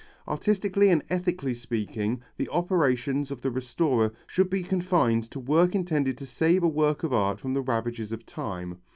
Artistically and ethically speaking the operations of the restorer should be confined to work intended to save a work of art from the ravages of time.